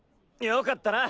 良かったな。